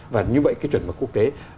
và như vậy cái chuẩn mà quốc tế